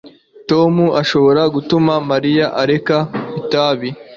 tom ntashobora gutuma mariya areka itabi